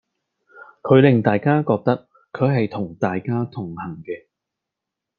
佢令大家覺得佢係同大家同行嘅